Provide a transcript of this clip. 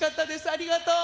ありがとう！